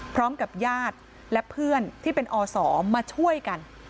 พร้อมกับญาติและเพื่อนที่เป็นอศมาช่วยกัน